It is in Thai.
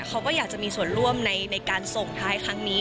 เขาก็อยากจะมีส่วนร่วมในการส่งท้ายครั้งนี้